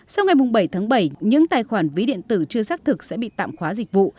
sau ngày bảy tháng bảy những tài khoản ví điện tử chưa xác thực sẽ bị tạm khóa dịch vụ